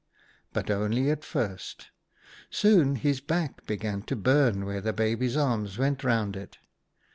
* But only at first. Soon his back began to burn where the baby's arms went round it.